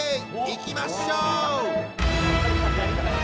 いきましょう！